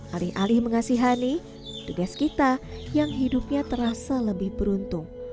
alih alih mengasihani tugas kita yang hidupnya terasa lebih beruntung